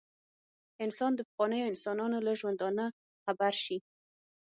انسان د پخوانیو انسانانو له ژوندانه خبر شي.